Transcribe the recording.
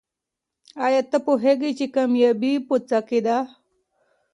آیا ته پوهېږې چې کامیابي په څه کې ده؟